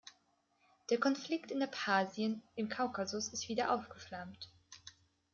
Der Konflikt in Abchasien im Kaukasus ist wieder aufgeflammt.